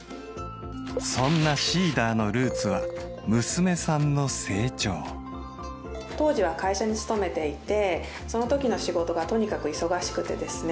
そんなＳｅｅｄｅｒのルーツは娘さんの成長当時は会社に勤めていてそのときの仕事がとにかく忙しくてですね